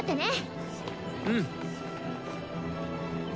うん。